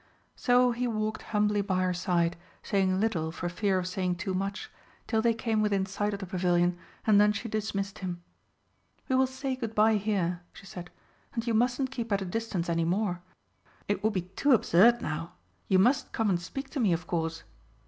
So he walked humbly by her side, saying little for fear of saying too much, till they came within sight of the Pavilion and then she dismissed him. "We will say good bye here," she said; "and you mustn't keep at a distance any more it would be too absurd, now you must come and speak to me, of course.